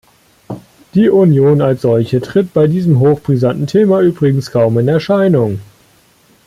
Die Union als solche tritt bei diesem hochbrisanten Thema übrigens kaum in Erscheinung.